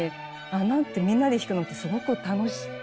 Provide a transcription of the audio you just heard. ああなんてみんなで弾くのってすごく楽しい。